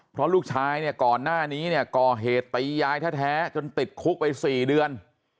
เพราะลูกชายเนี่ยก่อนหน้านี้เนี่ยก่อเหตุตียายแท้จนติดคุกไป๔เดือน